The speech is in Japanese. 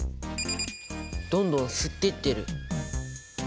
どんどん吸っていってる。